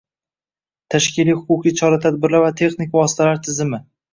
tashkiliy-huquqiy chora-tadbirlar va texnik vositalar tizimi;